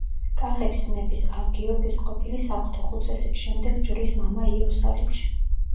კახეთის მეფის ავ-გიორგის ყოფილი სახლთუხუცესი, შემდეგ ჯვრის მამა იერუსალიმში.